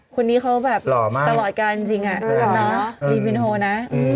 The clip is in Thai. คุณนี้เขาแบบตลอดกันจริงน่ะดีพินโฮนะ